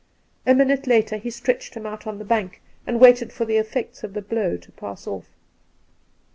A minute later he stretched him out on the bank, and waited for the effects of the blow to pass off.